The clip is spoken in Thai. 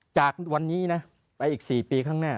จากวันนี้นะไปอีก๔ปีข้างหน้า